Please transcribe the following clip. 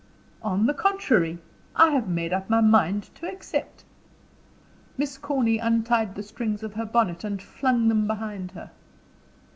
"On the contrary, I have made up my mind to accept." Miss Corny untied the strings of her bonnet, and flung them behind her.